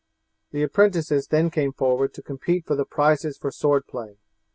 The apprentices then came forward to compete for the prizes for sword play.